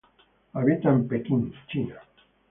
Habita en Pekín China.